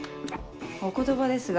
お言葉ですが。